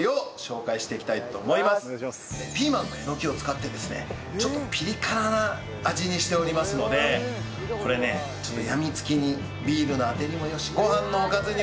ピーマンとえのきを使ってですねちょっとピリ辛な味にしておりますのでこれねちょっと病み付きにビールのあてにもよしご飯のおかずにもよし。